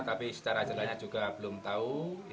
tapi secara jelasnya juga belum tahu